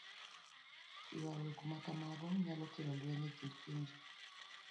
Ywaruok ma kamago nyalo kelo lweny e kind pinje.